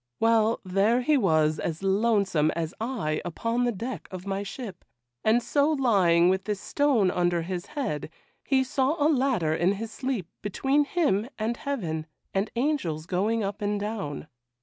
Well, there he was, as lonesome as I upon the deck of my ship; and so lying with this stone under his head, he saw a ladder in his sleep between him and heaven, and angels going up and down.